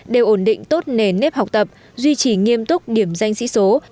đều ổn định tốt nền nếp học tập duy trì nghiêm túc điểm danh sĩ số